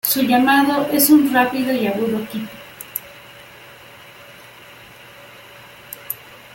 Su llamado es un rápido y agudo kip.